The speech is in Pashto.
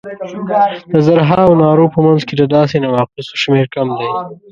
د زرهاوو نارو په منځ کې د داسې نواقصو شمېر کم دی.